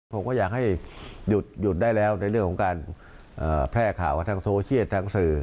ผมก็อยากให้หยุดได้แล้วในเรื่องของการแพร่ข่าวทางโซเชียลทางสื่อ